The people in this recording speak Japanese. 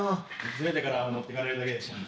ズレてからは持ってかれるだけでした